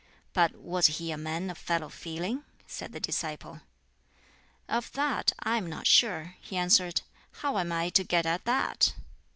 "But was he a man of fellow feeling?" said the disciple. "Of that I am not sure," he answered; "how am I to get at that?"